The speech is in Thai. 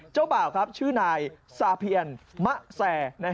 เจ้าบ่าวชื่อนายซาเพียนมะแซ